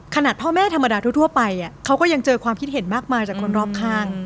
ขนาดพ่อแม่ธรรมดาทั่วไปเขาก็ยังเจอความคิดเห็นมากมายจากคนรอบข้าง